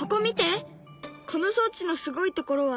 この装置のすごいところはこれなんだ。